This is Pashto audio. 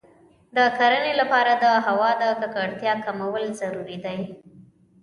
د کرنې لپاره د هوا د ککړتیا کمول ضروري دی.